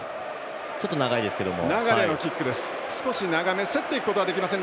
ちょっと長いですけども。